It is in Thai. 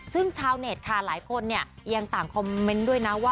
ซึ่งชาวเน็ตค่ะหลายคนเนี่ยยังต่างคอมเมนต์ด้วยนะว่า